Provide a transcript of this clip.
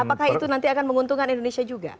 apakah itu nanti akan menguntungkan indonesia juga